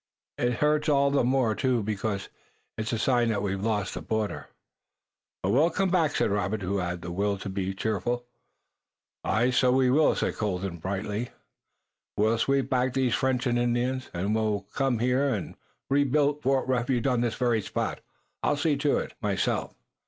"It hurts all the more, too, because it's a sign that we've lost the border." "But we'll come back," said Robert, who had the will to be cheerful. "Aye, so we will," said Colden, brightening. "We'll sweep back these French and Indians, and we'll come here and rebuild Fort Refuge on this very spot. I'll see to it, myself.